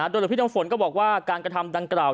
โดยหลวงพี่น้ำฝนก็บอกว่าการกระทำดังกล่าว